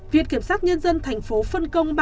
viện kiểm soát nhân dân tp hcm